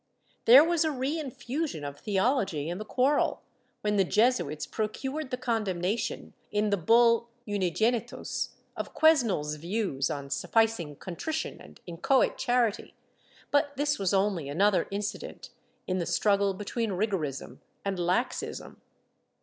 There was a reinfusion of theology in the quarrel, when the Jesuits procured the condemnation, in the Bull Unigenitus, of Quesnel's views on sufficing contrition and inchoate charity, but this was only another incident in the struggle between rigorism and laxism.